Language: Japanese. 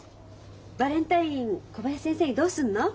バレンタイン小林先生にどうするの？